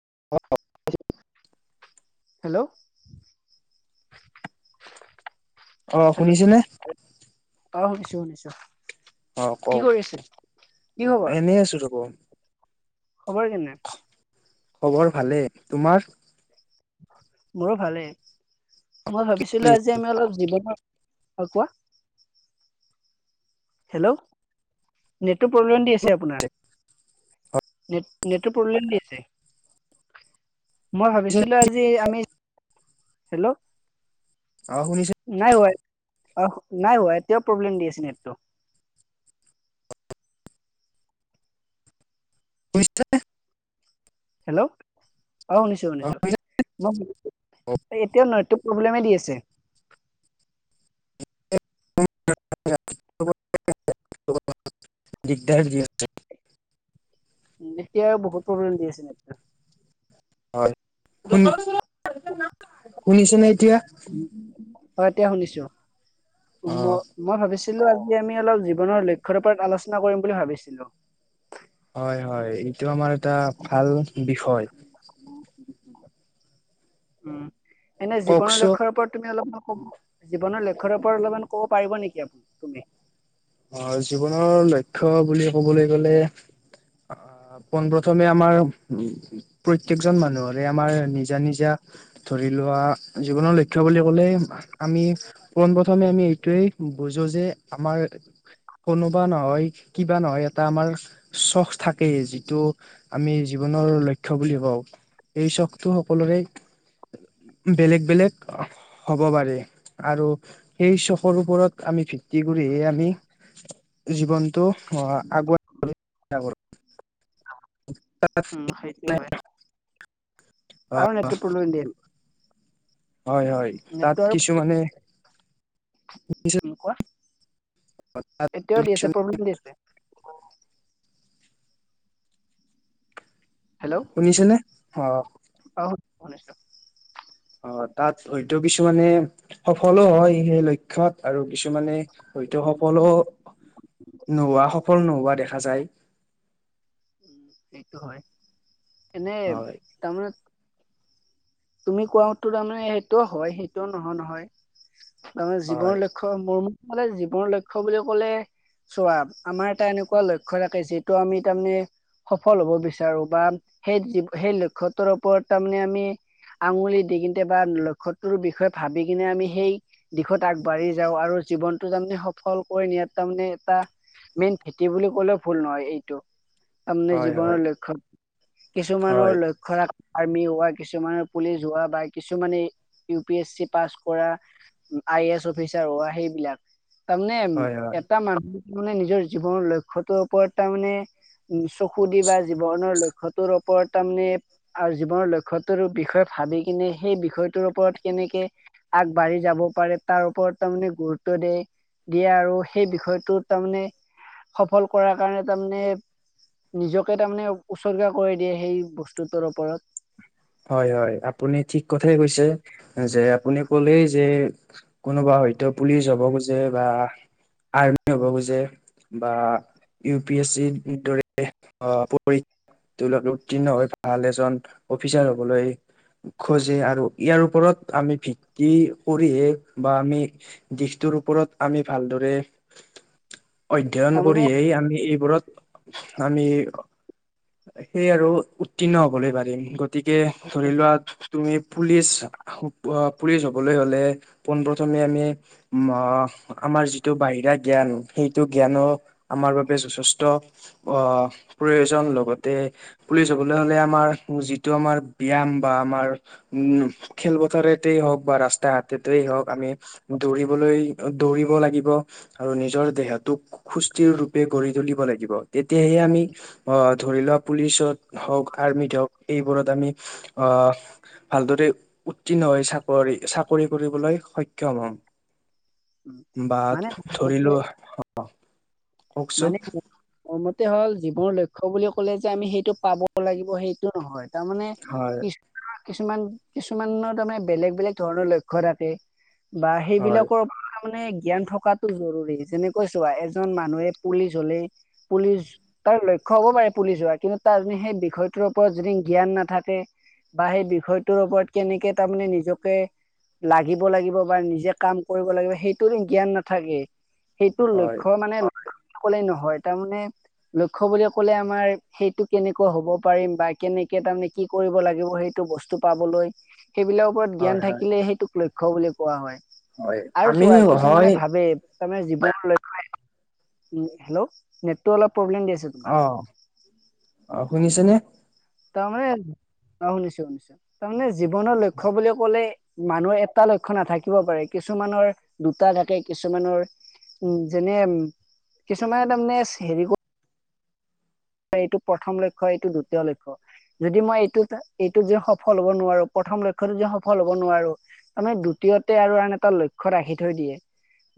[inaudible] Hello! অ, hello শুনিছেনে? অ, শুনিছোঁ, শুনিছোঁ। অ, কওঁক। অ' খবৰ এনেই আছো ৰ'ব। খবৰ কেনে? খবৰ ভালেই, তোমাৰ? মোৰ ভালেই। মই ভাবিছিলো আজি আমি অলপ জীৱনৰ অ, কোৱা হেল্ল', নেটটো প্ৰব্লেম দি আছে আপোনাৰ। নেট নেটৰ প্ৰব্লেম দি আছে। মই ভাবিছিলো আজি আমি, হেল্ল' অ শুনিছে নাই [unintelligible] অস, নাই হোৱা, এতিয়াও প্ৰব্লেম দি আছে নেটটো। [inaudible] হেল্ল', অ শুনিছোঁ, শুনিছোঁ। মই এতিয়াও নেটটো প্ৰব্লেমে দি আছে। দিগদাৰ দি আছে। এতিয়াও বহুত প্ৰব্লেম দি আছে নেটটো। হয়, শুনি শুনিছেনে এতিয়া? অ, এতিয়া শুনিছোঁ। অ ম-মই ভাবিছো ছিলো আজি আমি অলপ জীৱনৰ লক্ষ্যৰ ওপৰত আলোচনা কৰিম বুলি ভাবিছিলো। হয়, হয়, এইটো আমাৰ এটা ভাল বিষয়। উম, এনে জীৱনৰ কওকচোন লক্ষ্যৰ ওপৰত তুমি অলপ মোক জীৱনৰ লক্ষ্যৰ ওপৰত অলপমান‌ ক'ব পাৰিব নেকি আপুনি, তুমি? অ, জীৱনৰ লক্ষ্য বুলি ক'বলৈ গ'লে, অ' পোন প্ৰথমে আমাৰ, প্ৰত্যেকজন মানুহৰে আমাৰ নিজা নিজা ধৰি লোহা জীৱনৰ লক্ষ্য বুলি ক'লে আমি পোন প্ৰথমে আমি এইটোয়ে বুজো যে তে, আমাৰ কোনোবা নহয় কিবা নহয় এটা আমাৰ চখ থাকেই যিটো আমি জীৱনৰ লক্ষ বুলি কওঁ। এই চখটো সকলোৰে বেলেগ বেলেগ হ'ব পাৰে। আৰু সেই চফৰ ওপৰত আমি ভিত্তি কৰিহে আমি জীৱনটো [inaudible] আগুৱাই [inaudible] উম, সেইটো হয়, কাৰণ এটো প্ৰৰো দিয়ে। হয় -হয় তাত কিছুমানে ও কোৱা, এতিয়াও দি আছে প্ৰব্লেম দি আছে। হেল্ল' শুনিছে নে, অ, অনিষ্টৰ। অ, তাত হয়তো কিছুমানে সফলো হয়, সেই লক্ষ্যত আৰু কিছুমানে হয়তো সফলো নোহোৱা সফল নোহোৱা দেখা যায়। উম, সেইটো হয়, এনে হয় তাৰমানে তুমি কোৱাতো তাৰমানে সেইটোও হয় সেইটোও নহয় - নহয়। তাৰে মানে হয় জীৱনৰ লক্ষ্য মোৰ, মানে জীৱনৰ লক্ষ্য বুলি ক'লে চোৱা আমাৰ এটা এনেকুৱা লক্ষ্য থাকে যিটো আমি তাৰমানে সফল হব বিচাৰো বা সেই লক্ষ্যতোৰ ওপৰত তাৰমানে আমি আঙুলি দি কেতিয়াব কিনে বা লক্ষ্যটোৰ বিষয়ে ভাবি কিনে আমি সেই দিশত আগবাঢ়ি যাও আৰু আৰু জীৱনটো তাৰমানে সফল কৰি নিয়াত তাৰমানে এটা মেইন ভেটি বুলি ক'লেও ভুল নহয় এইটো। তাৰমানে হয় জীৱনৰ হয় লক্ষ্য, কিছুমানৰ হয় লক্ষ্য ৰাখ আমি হোৱা কিমান কিছুমানৰ পুলিচ হোৱা বা কিছুমানে ইউ পি এছ চি পাছ কৰা। আই এ এছ অফিচাৰ হোৱা সেইবিলাক, তাৰমানে হয় হয় এটা মানুহ মানে নিজৰ জীৱনৰ লক্ষ্যটোৰ ওপৰত তাৰমানে উম, চকু দি বা জীৱনৰ লক্ষ্যতোৰ ওপৰত তাৰমানে আৰু জীৱনৰ লক্ষ্য বিষয়ে ভাবি কিনে সেই বিষয়টোৰ ওপৰত কেনেকে আগবাঢ়ি যাব পাৰে তাৰ ওপৰত তাৰে মানে গুৰুত্ব দিয়ে - দিয়ে আৰু সেই বিষয়টো তাৰমানে সফল কৰাৰ কাৰণে তাৰমানে নিজকে তাৰমানে উচৰ্গা কৰি দিয়ে সেই বস্তুটোৰ ওপৰত। হয় - হয় আপুনি ঠিক কথাই কৈছে যে আপুনি কলেই যে কোনোবা হয় ত'পুলিচ হ'ব খোজে, বা আৰ্মি হ'ব খোজে বা ইউ পি এছ ত কি দৰে পঢ়ি তলত উত্তীৰ্ণ হৈ ভাল এজন অফিচাৰ হ'বলৈ খোজে আৰু ইয়াৰ ওপৰত আমি ভিত্তি কৰিহে বা আমি দিশটো, ৰ' ওপৰত আমি ভালদৰে [unintelligible] অধ্যয়ন তাৰমানে কৰি হেই আমি এইবোৰত আমি, তাকেই আৰু উত্তীৰ্ণ হবলৈ পাৰিম গতিকে ধৰি লোৱা তুমি পুলিচ, পুলিচ হ'বলৈ হলে পোনপ্ৰথমে আমি আমাৰ যিটো বাহিৰা জ্ঞান, সেইটো জ্ঞানো আমাৰ বাবে যথেষ্ট আহ [unintelligible] প্ৰয়োজন। লগতে পুলিচ হবলৈ হ'লে আমাৰ যিটো আমাৰ ব্যায়াম বা আমাৰ উম খেলপথাৰতেই হওক বা ৰাস্তা ঘাটতেই হওক আমি দৌৰিবলৈ, দৌৰিব লাগিব। আৰু নিজৰ দেহটোক সুস্থিৰ ৰূপে গঢ়ি তুলিব লাগিব। তেতিয়াহে আমি আহ ধৰি লোৱা পুলিচত হওক, আৰ্মিত হওক এইবোৰত আমি, আহ ভালদৰে উত্তীৰ্ণ হৈ চাকৰি চাকৰি কৰিবলৈ সক্ষম হ'ম। বা মানে মুঠতে ধৰিলোৱা অ, ' কওকচোন? এতিয়া হ'ল, জীৱনৰ লক্ষ্য বুলি ক'লে যে আমি সেইটো পাব লাগিব সেইটো নহয়। তাৰমানে হয় কিছুমানে, কিছুমান কিছুমানৰ তাৰমানে বেলেগ বেলেগ ধৰণৰ লক্ষ্য থাকে বা হয় সেইবিলাকৰ মানে জ্ঞান থকাতটো জৰুৰী, যেনেকৈ চোৱা এজন মানুহে পুলিচ হ'লে পুলিচ তাৰ লক্ষ্য হ'ব পাৰে পুলি হোৱাৰ, কিন্তু তাৰ য সেই বিষয়টোৰ ওপৰত যদি জ্ঞান নাথাকে। বা সেই বিষয়টোৰ ওপৰত কেনেকে তাৰমানে নিজকে লাগিব লাগিব বা নিজে কাম কৰিব লাগিব। সেইটোৰ জ্ঞান নাথাকে সেইটোৰ হয় লক্ষ্য মানে কলে নহয় তাৰমানে লক্ষ্য বুলি ক'লে আমাৰ সেইটো কেনেকুৱা হ'ব পাৰিম বা কেনেক কেইটা মানে তাৰমানে কি কৰিব লাগিব সেইটো বস্তু পাবলৈ। সেইবিলাক ওপৰত হয় জ্ঞান হয় থাকিলে সেইটোক লক্ষ্য বুলি কোৱা হয়। হয়, আন [unintelligible] কিছু মানে ভাবে তাৰমানে জীৱন [unintelligible] হেল্ল' নেটটো অলপ প্ৰব্লেম দি আছে তোমাৰ। অ অ শুনিছেনে তাৰমানে অ', শুনিছো শুনিছো, তাৰমানে জীৱনৰ লক্ষ্য বুলি ক'লে মানুহৰ এটা লক্ষ্য নাথাকিব পাৰে, কিছুমানৰ দুটা থাকে কিছুমানৰ উ, যেনে কিছুমানে তাৰমানে হেৰি কৰ এইটো প্ৰথম লক্ষ্য, এইটো দ্বিতীয় লক্ষ্য। যদি মই এইটোত-এইটোত যে সফল হ'ব নোৱাৰো, প্ৰথম লক্ষ্যটোত যে সফল হ'ব নোৱাৰো তাৰ [unintelligible] [unintelligible] আৰু আন এটা লক্ষ্য ৰাখি থৈ দিয়ে।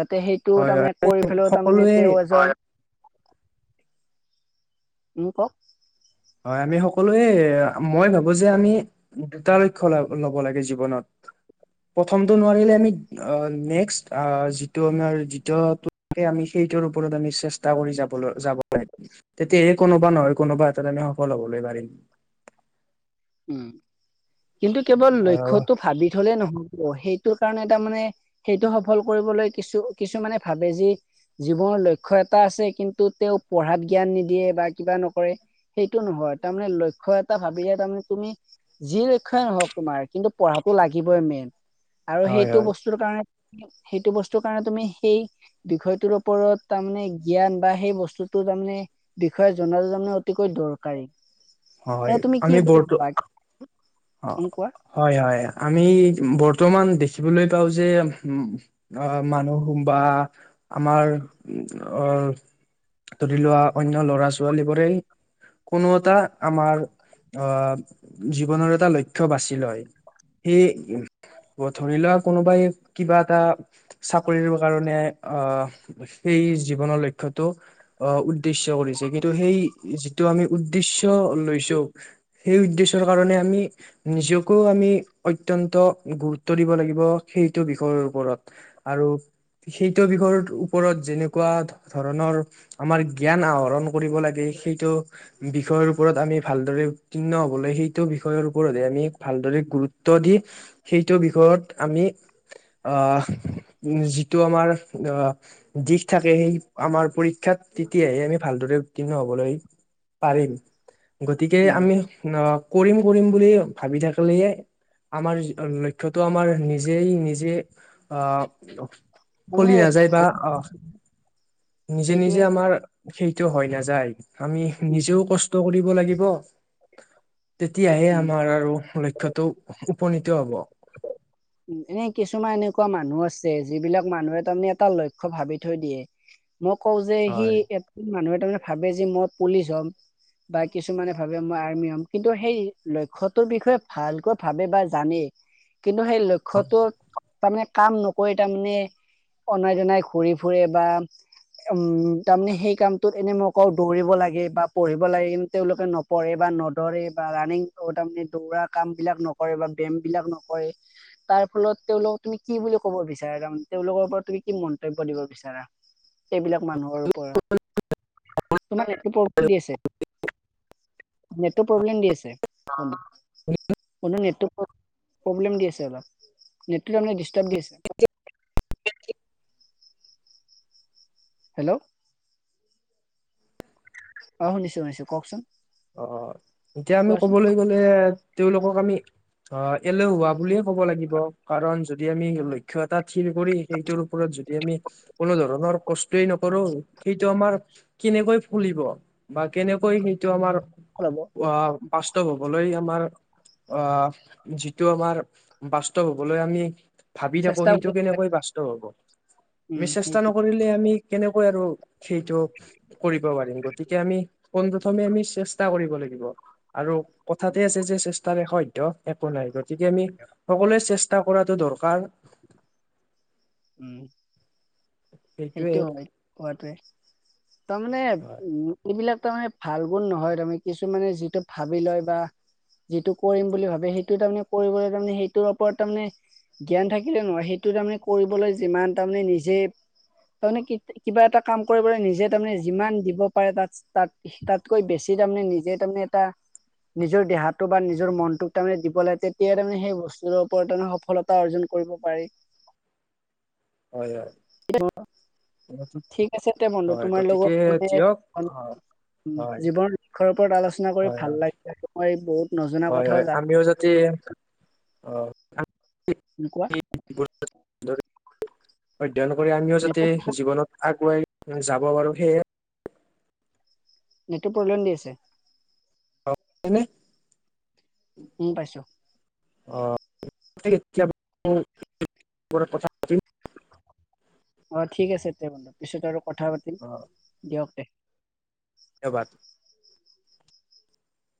যাতে সেইটো হয় হয় তাৰমানে কৰি পেলাইও তাৰমানে সকলোৱে তেওঁ এজন [unintelligible] হয় আমি সকলোৱে, মই ভাবো যে আমি [unintelligible] লক্ষ্য ল-ল'ব লাগে জীৱনত। প্ৰথমটো নোৱাৰিলে, আমি নেক্সট, যিটো আমাৰ, যিটো [unintelligible] যিটোৰ ওপৰত আমি চেষ্টা কৰি যাবলে যাব পাৰিম, তেতিয়াহে কোনোবা নহয় কোনোবা [unintelligible] সফল হবলৈ পাৰিম। উম, কিন্তু কেৱল আহ লক্ষ্যটো ভাবি থলেই নহয় অ', সেইটোৰ কাৰণে তাৰমানে, সেইটো সফল কৰিবলৈ কিছু-কিছু মানে ভাবে যি জীৱনৰ লক্ষ্য এটা আছে কিন্তু তেওঁ পঢ়াত জ্ঞান নিদিয়ে বা কিবা নকৰে সেইটো নহয় তাৰমানে লক্ষ্য এটা ভাবিহে তাৰমানে তুমি যি লক্ষ্যই নহওক তোমাৰ কিন্তু পঢ়াটো লাগিবই মেইন। আৰু হয় সেইটো হয় বস্তুৰ কাৰণে, সেইটো বস্তুৰ কাৰণে তুমি সেই বিষয়টোৰ ওপৰত তাৰমানে জ্ঞান বা সেই বস্তুটো তাৰমানে বিষয়ে জনাটো তাৰমানে অতিকৈ দৰকাৰী। হয়, হয় এ তুমি কি আমি বুলি ভাবা উম, কোৱা হয়, হয় আমি ব বৰ্তমান দেখিবলৈ পাওঁ যে উ অ' মানুহ বা আমাৰ অ' ধৰি লোৱা অন্য ল'ৰা-ছোৱালী বোৰেই কোনো এটা আমাৰ আহ জীৱনৰ এটা লক্ষ্য বাচি লয়। সেই ধৰি লোৱা কোনোবাই কিবা এটা চাকৰিৰ কাৰণে অ' সেই জীৱনৰ লক্ষ্যটো আহ উদ্দেশ্য কৰিছে কিন্তু সেই যিটো টো আমি উদ্দেশ্য লৈছো। সেই উদ্দেশ্যৰ কাৰণে আমি নিজকো আমি অত্যন্ত গুৰুত্ব দিব লাগিব। এইটো বিষয়ৰ ওপৰত আৰু সেইটো বিষয়ৰ ওপৰত যেনেকুৱা ধৰণৰ আমাৰ জ্ঞান আহৰণ কৰিব লাগে। সেইটো বিষয়ৰ ওপৰত আমি ভালদৰে উত্তীৰ্ণ হ'বলৈ সেইটো বিষয়ৰ ওপৰতে আমি ভালদৰে গুৰুত্ব দি সে এইটো বিষয়ত আমি অ', উ যিটো আমাৰ অহ, দিশ থাকে সেইটো আমাৰ পৰীক্ষাত তেতিয়াহে আমি ভালদৰে উত্তীৰ্ণ হ'বলৈ পাৰিম। গতিকে উম আমি অ', কৰিম কৰিম বুলি ভাবি থাক আলে আমাৰ লক্ষ্যটো আমাৰ নিজেই নিজে অ'। চলি মানে নাযায় বা অ'। নিজে নিজে সেইটোৱে আমাৰ সেইটো হৈ নাযায়, আমি উম নিজেও কষ্ট ট' কৰিব লাগিব। তেতিয়াহে উম আমাৰ আৰু লক্ষ্যটো উপনীত হ'ব। উম, এনে কিছুমান এনেকুৱা মানুহ আছে যিবিলাক মানুহে তাৰমানে এটা লক্ষ্য ভাবি থৈ দিয়ে। মই কওঁ যে সি হয় এ মানুহে তাৰে ভাবে যে মই পুলিচ হ'ম। বা কিছুমানে ভাবে মই আৰ্মি হম। কিন্তু সেই লক্ষ্যটোৰ বিষয়ে ভালকৈ ভাবে বা জানেই কিন্তু সেই ক্ষ্যটোৰ তাৰমানে কাম নকৰে তাৰমানে অনাই জনাই ঘূৰি ফুৰে বা উম, তাৰমানে সেই কামটোত এনে মোই কওঁ দৌৰিব লাগে বা পঢ়িব লাগে তেওঁলোকে নপঢ়ে বা নদৌৰে বা ৰাণিং তাৰমানে দৌৰা কামবিলাক নকৰে বা ব ব্যায়ামবিলাক নকৰে। তাৰ ফলত তেওঁলোকক তুমি কি বুলি ক'ব বিচাৰা তাৰমানে তেওঁলোকৰ ওপৰত তুমি কি মন্তব্য দিব বিচাৰা? এইবিলাক মানুহৰ ওপৰত তোমাক [unintelligible] দি আছে। নেটটো প্ৰব্লেম দি আছে নেটটো প্ৰব্লেম দি আছো অলপ নেটটো তাৰমানে ডিষ্টাৰ্ব দি আছে। হেল্ল'। অ শুনিছো শুনিছো কওঁক চোন? অ এতিয়া আমি কবলৈ গলে তেওঁলোকক আমি অ এলেহোৱা বুলিয়ে ক'ব লাগিব কাৰণ যদি আমি লক্ষ্য এটা থিৰ কৰি সেইটোৰ ওপৰত যদি আমি কোনো ধৰণৰ কষ্টয়ে নকৰো সেইটো আমাৰ কেনেকৈ ফুলিব। বা কেনেকৈ সেইটো আমাৰ ওলাব আহ বাস্তৱ হবলৈ আমাৰ আহ যিটো আমাৰ বাস্তৱ হবলৈ আমি ভাবি থাকো চেষ্টা সেইটো কৰি কেনেকৈ বাস্তৱ হব আমি উম চেষ্টা সেইটো নকৰিলে আমি কেনেকৈ আৰু সেইটো কৰিব পাৰিম গতিকে আমি পোনপ্ৰথমে আমি চেষ্ চেষ্টা কৰিব লাগিব আৰু কথাতে আছে যে চেষ্টাৰে অসধ্য একো নাই। গতিকে আমি সকলোৱে চেষ্টা কৰাটো দৰকাৰ উম। সেইটোৱে সেইটো হয় হোৱাটোৱে তাৰমানে হয় উম এইবিলাক তাৰে ভাল বোৰ নহয় তাৰমানে কিছুমানে যিটো ভাবি লয় বা যিটো কৰিম বুলি ভাবে সেইটো তাৰমানে কৰিবলৈ তাৰমানে, সেইটোৰ ওপৰত তাৰমানে জ্ঞান থাকিলে নহয় সেইটো তাৰমানে কৰিবলৈ যিমান তাৰমানে নিজে তাৰমানে কিবা এটা কাম কৰিবলৈ নিজে তাৰমানে যিমান দিব পাৰে তাত তাত তাতকৈ বেছি তাৰমানে নিজে ত এটা নিজৰ দেহটো বা নিজৰ মনটোক তাৰমানে দিব লাগে তেতিয়াাই তাৰমানে সেই বস্তুটোৰ ওপৰত তাৰে সফলতা অৰ্জন কৰিব পাৰি। হয় হয়। ঠিক আছে দে বন্ধু হয় তোমাৰ গতিকে লগত মে দিয়ক উ হয় হয় জীৱনৰ লক্ষ্যৰ ওপৰত আলোচনা কৰি হয় ভাল হয় লাগি আৰু মই বহুত নজনা হয় কথাও হয় জানো আমিও যদি অ'। কোৱা [unintelligible] অধ্যয়ন কৰি আমিও যাতে নেটৱৰ্ক জীৱনত আগুৱাই যাব পাৰো সেয়ে নেটটো প্ৰব্লেম দি আছে? অ এনে উম পাইছো। [unintelligible] অ ঠিক আছে তে বল পিছত আৰু কথা পাতিম অ, দিয়ক দে ধন্যবাদ।